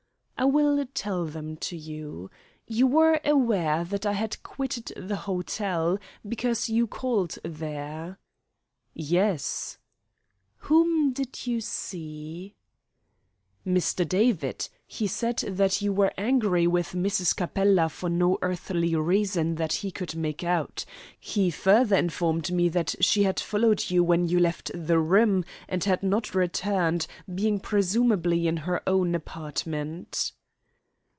"I will tell them to you. You were aware that I had quitted the hotel, because you called there?" "Yes." "Whom did you see?" "Mr. David. He said that you were angry with Mrs. Capella, for no earthly reason that he could make out. He further informed me that she had followed you when you left the room, and had not returned, being presumably in her own apartment."